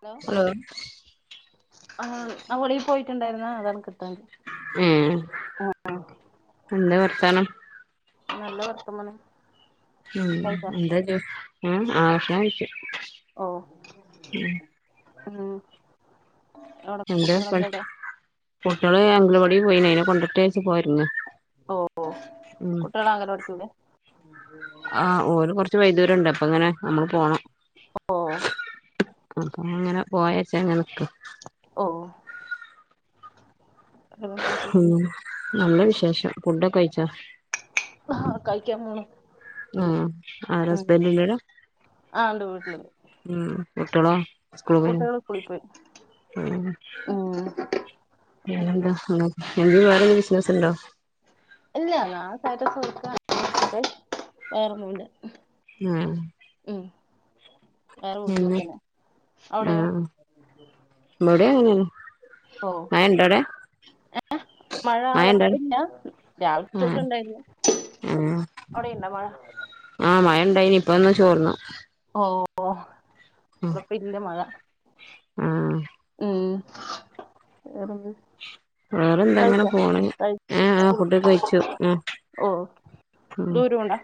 Hello ആഹ് ആവളി പോയിട്ടുണ്ടായിരുന്ന അതാണ്ക്ക് ഉം എന്താ വർത്താനം നല്ല വർത്തമാനം കഴിച്ചോ [unintelligible] ഓ ഉം അവിടെ എന്തെ പ കുട്ടികളൊക്കെ എവിടെ കുട്ടികള് അംഗലവാടി പോയിന് അനെ കൊണ്ടിട്ട്ച്ച പോരുന്നു ഓ ഓ കുട്ടികൾ അംഗൻവാടി പോകണ ആഹ് ഓര് കുറച്ച് വൈദ്യൂരം ഉണ്ട് അപ്പഇങ്ങനെ നമ്മള് പോണം ഓ അപ്പൊ അങ്ങനെ പോയച്ചാങ്ങനെ നിക്ക ഓഹ് വേറെന്ത് ഉം വിശേഷം നല്ല വിശേഷം ഫുടെക്കെ കഴിച്ചോ ആഹ് കായിക്കപോണ് ആഹ് ആരാ ഹസ്ബൻഡല്ലട ആ ഉണ്ട് വീട്ടിലുണ്ട് ഉഹ് കുട്ടിളോ? സ്കൂളിൽ കുട്ടികൾ സ്കൂളിൽ പോയി ഉം ഉം പിന്നെന്താ വേറെ ബിസിനസുണ്ടോ? ഇല്ല [unintelligible] വേറൊന്നുല്ല ഉം ഉം.. വേറെ വീട്ടിൽതന്നെയാഅവിടയോ ഇവിടെയെങ്ങനെ മയയുണ്ടൊവിടെ ഏഹ് മഴ അവിടെ അതിപ്പമില്ല ആഹ് രാവിലെതൊട്ടുണ്ടായിരുന്നു ആഹ് അവിടെയുണ്ടോ മഴ ആഹ് മഴ ഉണ്ടായിനി ഇപ്പൊമൊന്നുതോർന്നു ഓ ഓ ഇപ്പമില്ല മഴ ഉം ഉം ഏതുണ്ട് വേറെന്താ അങ്ങനെ കഴിച്ചോ, പോണ് കഴിച്ചു. ഏഹ് ആഹ് ഫുഡൊക്കെ കഴിച്ചു ഉം ഓ ദൂരമുണ്ടാ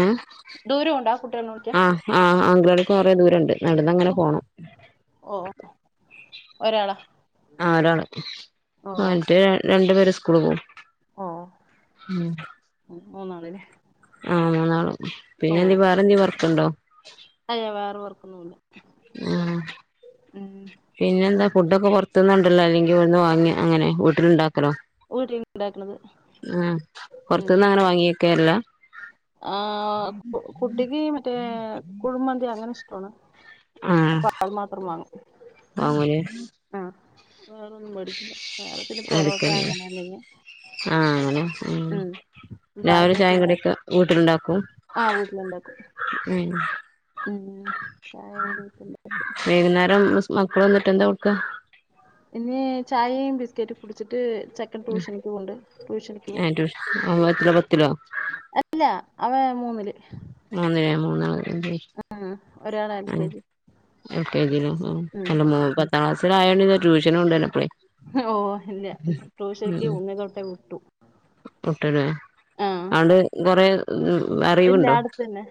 ഏ.. ദൂരമുണ്ടോ ആ കുട്ടികളെ വിളിക്കാ ആഹ്, ആംഗള്കൊറെ ദൂരണ്ട് നടന്നങ്ങനെ പോണം. ഓ ഒരാളാ ആയൊരാള് ഓ മറ്റേ രണ്ടു പേര് സ്കൂളിൽപോകും ഓ.. ഉം ഉം.. മൂന്നാള് ലേ ആഹ്.. മൂന്നാള് പിന്നെ എന്തെ വേറെ എന്തേലുംവർക്കുണ്ടോ അയ്യോ വേറെ വർക്കൊന്നുമില്ല ആഹ്. ഉം പിന്നെയെന്താ ഫുഡൊക്കെ പുറ ത്തുന്ന് ണ്ടോര് ലോ അല്ലെങ്കിൽ വട്ന്നുവാങ്ങി അങ്ങനെവീട്ടിലുണ്ടാക്കലോ വീട്ടിൽ ഉണ്ടാക്കുന്നത് ആഹ്.. പുറത്തുന്നങ്ങനെ വാങ്ങിവയ്ക്കാറില്ല ആഹ്.. കുട്ടീക്ക് മറ്റേ കുഴിമന്തിയങ്ങനെയിഷ്ടമാണ് ആഹ് അപ്പൊയതു മാത്രം വങ്ങും വാങ്ങൂലേ ആഹ്‌.. വേറൊന്നും മേടിക്കില്ലാ, വേറെ പിന്നെ പൊറോട്ടായങ്ങനെയെന്തെങ്കി ആ ഹ്.. അങ്ങനെ ഉം രാവിലെ ചായ ബാക്കിയൊക്കെയുണ്ടാക്കും. കടിയൊക്കെ വീട്ടിലുണ്ടാക്കും ആഹ്, വീട്ടിലുണ്ടാക്കും. ഉം ഉം ചായകുടിയൊക്കെ [unintelligible] വൈകുന്നേരം മക്കളു വന്നിട്ടെന്താ കൊടുക്കുക പിന്നെചായയും ബിസ്കറ്റുംകുടിച്ചിട്ട് ചെക്കൻ ട്യൂഷനിക്കുപോകുണ്ട് ട്യൂഷനിക്ക് പോകും ആഹ്.. എത്ര, പത്തിലോ അല്ല, അവൻമൂന്നില് മൂന്നിലാ, മൂന്നാമത് എതെയ് ഒരാൾ എൽ കെ ആഹ്.. ജി [unintelligible] എന്റെ മോൻ പറ ക്ലാസില്ലായോണ്ടിന്നു ട്യൂഷനുകൊണ്ടു വിടാൻ പോയി. ഓ.. ഇല്ല ട്യൂഷനക്കു ഒന്നിൽ തോട്ടെ വിട്ടു വിട്ട്ലേ ആ ആള്കൊറെ ഇല്ല അറിവുണ്ടോ അടുത്ത് തന്നെ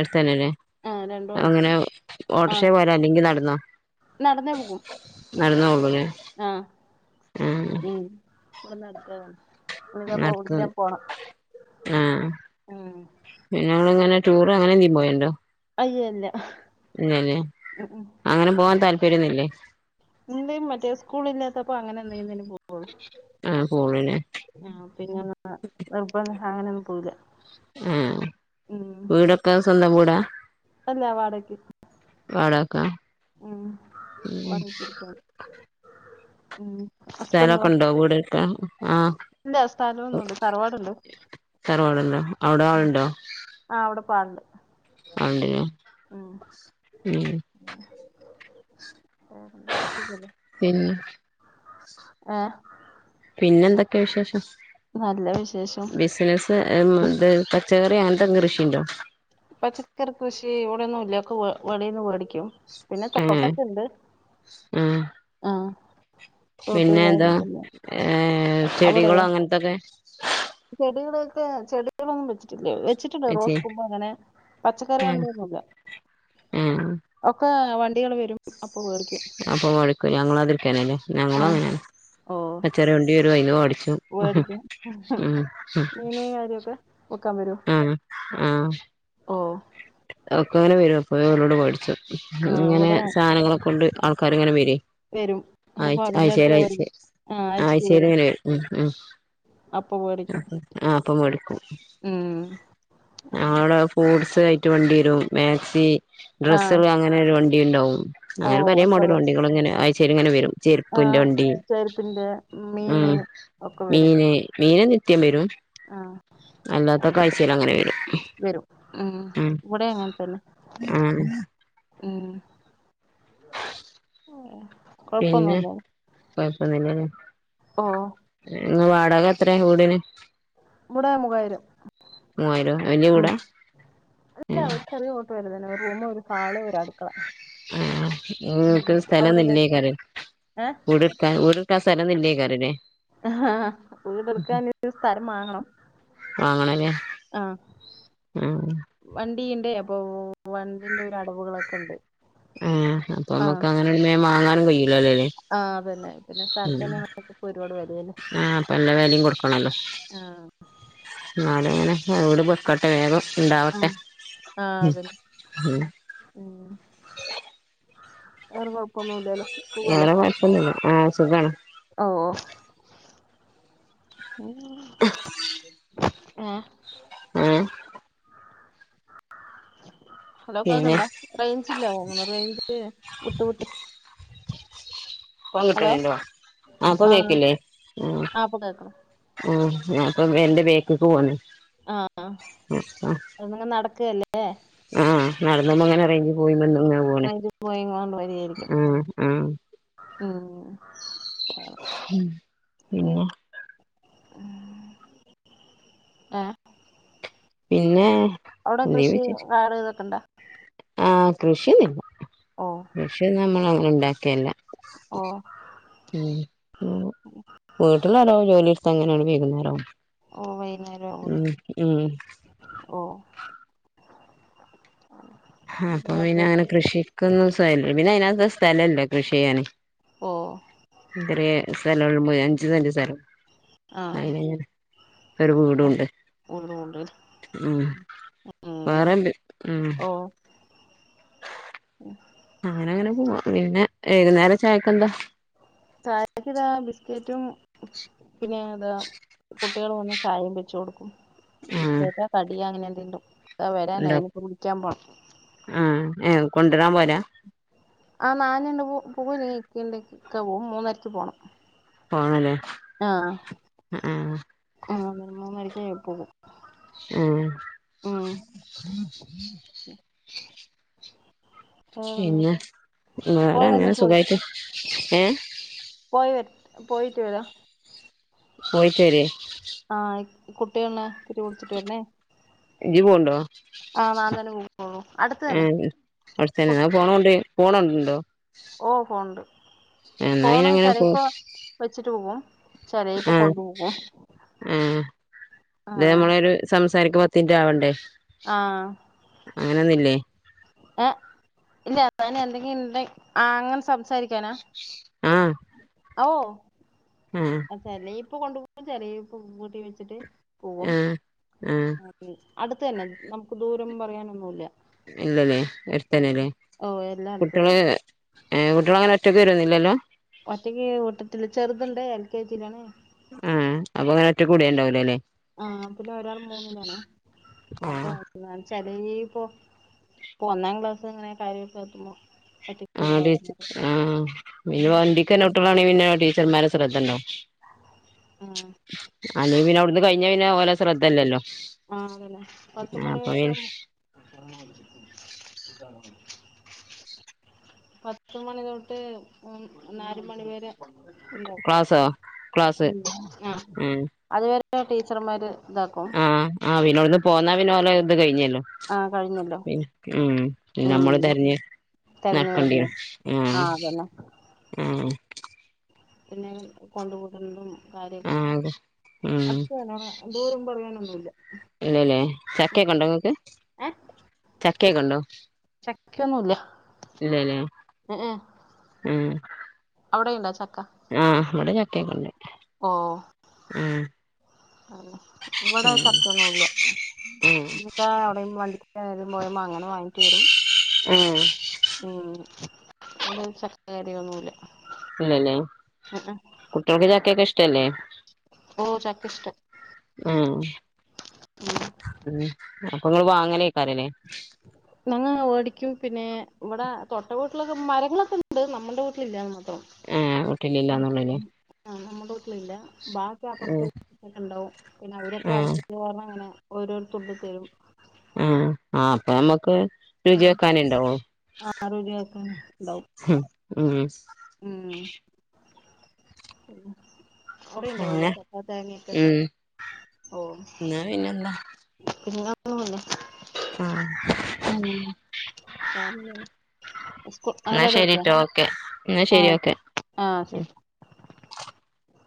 അടുത്തു തന്നയല്ലേ ആ രണ്ടും അടുത്ത് അങ്ങനെ തന്നെ ഓട്ടോറിക്ഷാേ പോവലാല്ലെങ്കി നടന്നോ നടന്ന പോകുന്നേ, നടന്ന് പോകൂലേ ആഹ്, ആഹ് ഉം വടെ നടക്കലാ ഓന്ന് ദാപ്പ വ്ട് നടക്കും കേം പോണം പിന്നെങ്ങളിങ്ങനെ ടൂറ് അങ്ങനെയെന്തെങ്കിലും പോവൻണ്ടോ അയ്യേ ല്ലഹ് ഇല്ലല്ലേ, അങ്ങനെ പോവാൻ താല്പര്യന്നുല്ലേ ഇണ്ട് മറ്റേ സ്കൂളില്ലാത്തപ്പോ അങ്ങനെയെന്നേലുംപോവും ആഹ്, പോവലേ ആഹ്.. പിന്നെ [unintelligible] പോകില്ല. ഉം.. വീടൊക്കെ സ്വന്തം വീടാ അല്ല വാടകക്ക് വാടകക്കാ [unintelligible] ഉം ഹസ്ബൻഡോ സ്ഥലൊക്കെ ണ്ടോ വീട് വെക്കാൻആഹ് ഇല്ല സ്ഥലമൊന്നുംണ്ട് തറവാടുണ്ട് തറവാടുണ്ടോ അവിടെ ആ അവിടെ ഇപം ആളുണ്ട് ആളുണ്ട് ലെ ഉം വേറെന്താ സുഖല്ലേ പിന്നെ ആ പിന്നെ എന്തൊക്കെയാ വിശേഷം നല്ല വിശേഷം ബിസിനസ് പച്ചക്കറി അങ്ങനത്തെ കൃഷിയുണ്ടോ പച്ചക്കറി കൃഷി ഇവിടൊന്നും ഇല്ല ഒക്കെ വെളീന്ന് മേടിക്കും പിന്നെ ഏഹ് കോവക്ക ഇണ്ട് ആഹ് ആഹ് പിന്നെ എന്താ ഏഹ് ചെടികളോ അവിടെയോ അങ്ങനെത്തൊക്കെ ചെടികളൊക്കെ ചെടി ചെടികളൊന്നും വെച്ചിട്ടില്ലേ വെച്ചിട്ടുണ്ട് വെച്ചേ റോസ് കുമ്പ അങ്ങനെ ആഹ് പക്കറിയളുടെ ഒന്നുമില്ല ആഹ് ഒക്കെ വണ്ടികൾ വരും അപ്പൊ മേടിക്കും അപ്പൊ മേടിക്കും ഞങ്ങളാതൂക്കന് അല്ലേ ആ ഞങ്ങളും അങ്ങനെ ഓ ആഹ് ചെറിയ വണ്ടി വരും അതീന്ന് മേടിക്കും മേടിക്കും ആഹ് വുക്കാൻ വരോ ഉം ആഹ് ഓ ഒക്കെ അങ്ങനെ വരും അപ്പൊ അവരോട് മേടിച്ചും ആ, ഇങ്ങനെ ഇവിടെ സാധനങ്ങളൊക്കെ കൊണ്ട് ആൾക്കാർ ഇങ്ങനെ വരേ വരും അപ്പൊ ആഴ്ച അതിന്റെ അടുത്ത് ആഴ്ചേലാഴ്ച്ചെ മേടിക്കും ആ ആഴ്ചക്ക് ആഴ്ചേലിങ്ങനെ വരും ഉം ഉം അപ്പൊ മേടിക്കും ആഹ് അപ്പം എടുക്കും ഉം ഞങ്ങടെ അവടെ ഫ്രൂഡ്സ് ആയിട്ട് വണ്ടി വരും മാക്സി ആ ഡ്രെസ്സുകള് അങ്ങനെ ഒരു വണ്ടി ഉണ്ടാവും ഓ അങ്ങനെ പല ഒക്കെ മോഡേല് വരും വണ്ടികളും ഇങ്ങനെ ആഴ്ചയില് ഇങ്ങനെ വരും ആ ചെരുപ്പിന്റെ വണ്ടി ചെരുപ്പിന്റെ ഉം മീന് ഒക്കെ വരും മീന് മീന് നിത്യം വരും ആ അല്ലാത്തൊക്കെ ആഴ്ചയിൽ അങ്ങനെ വരും. വരും ഉം ഇവിടെ അങ്ങനെ തന്നെ. ആഹ് ഉം പിന്നെ കുഴപ്പൊന്നൂല്ല കൊഴപ്പൊന്നുല്ലല്ലേ ഓ വാടക എത്രയാ വീടിന്. ഇവടെ മൂവായിരം മൂവായിരോ വല്യ ഉം വീടാ അല്ല ഉം ഇവടെ ചെറിയ വലുത് തന്നെ ഒരു റൂമ് ഒരു ഹാള് ഒരു അടുക്കള ആഹ് ഉം. നിങ്ങക്ക് സ്ഥലം അവിടെയോ ഒന്നീല്ലേ കരേ ഏഹ് വീട് എടുക്കാന് വീട് നിങ്ങക്ക് സ്ഥലം ഒന്നൂല്ലേ കരേല് വീട് എടുക്കാനായിട്ട് ഒരു സ്ഥലം വാങ്ങണം വാങ്ങണല്ലേ ആഹ് വണ്ടി ഇണ്ട് അപ്പൊ വണ്ടീന്റെ ഒരു അടവുകളൊക്കെ ഉണ്ട്. ആഹ് അപ്പൊ ആ നമ്മുക്ക് അങ്ങനെ വാങ്ങാനും കഴയില്ലല്ലോ അല്ലേ ആഹ് അതന്നെ പിന്നെ സ്ഥലത്തിനന്നെ ഇപ്പോ ഒരുപാട് വിലയല്ലേ ആഹ് അപ്പ നല്ല വെലിം കൊടുക്കണല്ലോ ആഹ് എന്നാലും ഇങ്ങനെ വീട് വെക്കട്ടെ വേഗം ഉണ്ടാവട്ടെ ആഹ് ആഹ് അതന്നെ ഉം വേറെ കൊഴപ്പൊന്നുല്ലല്ലോ വേറെ കുഴപ്പമൊന്നുമില്ല ആഹ് സുഖാണ് ഓ ആഹ് ആഹ് ഹലോ പിന്നെ കേക്കണ്ടാ റേഞ്ച് ഇല്ല ഓ റേഞ്ച് വിട്ട് വിട്ട് ഫോൺ ഹലോ കിട്ടണില്ല ആഹ് ഇപ്പൊ കേക്കില്ലേ ഉം ആഹ് ഇപ്പൊ കേക്ക്ണ് ഉം ആഹ് അപ്പൊ എന്റെ ബേക്ക്ക്ക് പോന്നു ആഹ് ഇങ്ങനെ നടക്കയല്ലേ ആഹ് നടന്നോണ്ട് ഇങ്ങനെ റേഞ്ച് പോയും വന്നും ഇങ്ങനെ പോണ് വൈകിപ്പോയി എങ്ങോണ്ട് വരിയായിരിക്കും ആഹ് ആഹ് ഉം ഉം പിന്നെ ആഹ് പിന്നെ അവിടെ നീ കൃഷി വിശേഷ കാട് ഇത് ഒക്കെ എണ്ടാ ആഹ് കൃഷി എണ്ട് ഓ പക്ഷെ നമ്മള് അങ്ങനെ ഉണ്ടാക്കിയല്ല ഓഹ് ഉ ഉ വീട്ടില് ഒരോ ജോലി എടുത്ത് അങ്ങനെ ആണ് വൈകുന്നേരം ആവും ഓഹ് ഉം ഉം ഓ ആ അപ്പം പിന്നെ അങ്ങനെ കൃഷിക്ക് ഒന്നും സ ഇല്ല പിന്നെ അതിനാത്ത് സ്ഥലം ഇല്ല കൃഷി ചെയ്യാന് ഓ ഹെഡ്രിയെ സ്ഥലം ഒള്ളുമ്പ അഞ്ച് സെന്റ് സ്ഥലം ആഹ് അയിനങ്ങനെ ഒരു ഒ വീടുണ്ട് ഒള്ളൂ ഒള്ളത് ഉം ഉം വേറെ ഉം ഓ അങ്ങനെ അങ്ങനെ പോവാ പിന്നെ എഴുന്നേരം ചായക്ക് എന്താ ചായക്ക് ഇതാ ബിസ്കറ്റും പിന്നെ അതാ കുട്ടികൾ വന്ന് ചായയും വെച്ച് കൊടുക്കും ആഹ് ബിസ്കറ്റാ കടിയ അങ്ങനെ എന്തെണ്ടും ദാ വരാനായി ഇനി ഇപ്പം വിളിക്കാൻ പോണം മ്മ് ഏ കൊണ്ടരാൻ പോരാ ആ നാന രണ്ട് പു പൂക്കൂല്ല ഇക്ക എണ്ട് ഇക്ക പോവും മൂന്നരക്ക് പോണം പോണല്ലേ ആഹ് ആഹ് ആ മൂന്നരക്ക് പോകും ഉം ഉം ഉം പിന്നെ വേറെ പോയി അങ്ങനെ വന്നിട്ട് സുഖായിട്ട് വിളിക്കാം ഏ പോയി വേര് പോയിട്ട് വരാ പോയിട്ട് വരീൻ ആഹ് കുട്ടികളെ തിരി പിടിച്ചിട്ട് വരണേ ഇജ്ജ് പോണ്ടോ ആഹ നൻ തന്നെ പോകളൂ അടുത്ത് തന്നെ അടുത്ത് തന്നെ ഫോൺ ഒണ്ടേ ഫോൺ ഒണ്ടോ ഓ ഫോണണ്ട് എന്നാ ഫോണ അയിനങ്ങനെ പോ ചരപ്പോ വെച്ചിട്ട് പോകും ചെല ഇപ്പ ആ കൊണ്ടുപോകും ആഹ് സംസാരിക്കു പത്തിന്റെ ആവണ്ടേ ആഹ് അങ്ങനെ ഒന്ന് ഇല്ലേ ഏഹ ഇല്ല്യ അങ്ങനെ എന്തെങ്കിലും ഇണ്ടെ അങ്ങനെ സംസാരി- ക്യാന ഓ ഉം തന്നെ ഇപ്പൊ കൊണ്ടു പോകും ചെറയ വക്ക് ഇപ്പൊ കൂട്ടി വെച്ചിട്ട് പോകും ആ ആ ഉം അടുത്ത് തന്നെ നമുക്ക് ദൂരം എന്ന് പറയാൻ ഒന്നുമില്ല ഇല്ലല്ലേ എട്ടലല്ലേ ഓ എല്ലാം അടുത്ത് കുട്ടികള് തന്നെ ഏ കുട്ടിള് അങ്ങനെ ഒറ്റൊക്ക വരുന്നില്ല അല്ലോ ഒറ്റയ്ക്ക് വിട്ടിട്ടില്ല ചെറതൊണ്ടേ എൽ കെ ജി ലാ ആഹ് അപ്പൊ അങ്ങനെ ഒറ്റ കൂട ഉണ്ടാവലോ അല്ലേ ആഹ് പിന്നെ ഒരാൾ മൂന്നിനാണ് ആ അപ്പൊ എന്ന വെച്ചാല് ഈ ഇപ്പൊ ഇപ്പൊ ഒന്നാം ക്ലാസ് ഇങ്ങനെ കാര്യൊക്കെ എത്തുമ്പോ ഒറ്റയ്ക്ക് ആ കൂടാ ടീ പറഞ്ഞത് ആ പിന്ന വണ്ടിക്ക് വര്ണകുട്ട്യാളാണെകിൽ പിന്നെ ടീച്ചർമാരെ ശ്രദ്ധ ഉണ്ടാവും ആ അല്ല പിന്നെ അവിടുന്ന് കഴിഞ്ഞ പിന്നെ ഓല ശ്രദ്ധല്ലല്ലോ ആ അതല്ലേ പത്തുമണി അപ്പൊ വരെ പത്തുമണി തൊട്ട് നാല് മണിവരെ ക്ലാസാ? ഉം ആ അതുവരെ ടീച്ചർമാര് ഇതാക്കും ആ പിന്നവ്ട്ന്ന് പോന്നാ പിന്നെ ഓലെ ഇത് കഴിഞ്ഞല്ലോ ആ കഴിഞ്ഞല്ലോ പിന്നെ ഉം പിന്നമ്മള് ഉം തെര്ഞ്ഞ്. തെരഞ്ഞു വരുന്നു ന്നട്ക്കണ്ട്യരും ആ ആ. പിന്നെ കൊണ്ടുപൂണ്ട്ന്നതും കാര്യക്കര്ത്. ആഹ് ഉം അട്ത്തന്നേണ് ദൂരം ഒന്നും പറയാനൊന്നുല്ല്യ ഇല്ലല്ലേ ഉം. ഏ ചക്കക്കേക്കൊണ്ടോ? ചക്ക്യന്നുല്ല. ഇല്ലലെ ഉം. അവിടെയുണ്ടോ ചക്ക? ആഹ് ഇവിടെ ചക്കേക്ക്ണ്ട്. ഓ. അല്ല ഇവടെ ചക്കൊന്നുല്ല. ഉം [unintelligible] അങ്ങനെ വാങ്ങി്ട്ട് വരും. മ്. ഉം നാ ചക്കെരിയൊന്നുല്ലാ. ഇല്ലല്ലേ കുട്ട്യാൾക്ക് ചകൊക്കെ ഇഷ്ടല്ലേ? ഓ ചക്ക ഇഷ്ട. ഏ ഉം ഉം അപ്പൊ ഇങ്ങള് വാങ്ങലയ്ക്കാരലെ. ഉ ഞങ്ങള് മേടിക്കും പിന്നെ ഇവിടെ തൊട്ട വീട്ട്ലൊക്കെ മരങ്ങളൊക്കെ ഇണ്ട് നമ്മുടെ വീട്ടിലില്ലന്ന് മാത്രം. ഏഹ് വീട്ടിലില്ലാന്നുള്ളൂല്ലേ ആ നമ്മുടെ വീട്ടിലില്ല? ബാക്കി അപ്പൊർത്ത് ഉം ഇണ്ടാവും പിന്നെ അവരൊക്കെ ഉം [unintelligible] ഒർന്നങ്ങനെ അങ്ങനെ ഓരോര്ത്തുണ്ടും തരും. മ് ആ അപ്പൊ നമ്മുക്ക് രുച്ചി ക്കാനേണ്ടാവൂ. ആ രുചി ഉം നോക്കാന്ണ്ടാവും. അവ്ടെ ഇണ്ടാവൂലെ അങ്ങനെ ചക്ക തേങ്ങ ഒക്കെ ഉം ഓ. എന്നാ പിന്നെന്താ? [unintelligible] ആഹ്. [unintelligible] എന്നാ ശരിട്ടോ ഓക്കെ എന്നാ ശരി ഓക്കെ ആഹ് ഉം ശെരി.